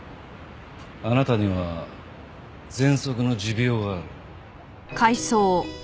あなたにはぜんそくの持病がある。